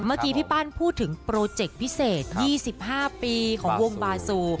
เมื่อกี้พี่ปั้นพูดถึงโปรเจคพิเศษ๒๕ปีของวงบาซู